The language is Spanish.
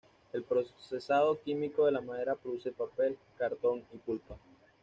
El procesado químico de la madera produce papel, cartón y pulpa.